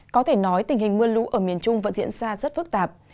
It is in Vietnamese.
có thể nói tình hình mưa lũ ở miền trung vẫn diễn ra rất phức tạp